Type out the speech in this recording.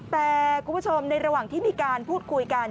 แต่คุณผู้ชมในระหว่างที่มีการพูดคุยกัน